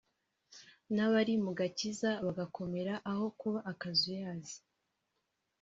n’abari mu gakiza bagakomera aho kuba akazuyazi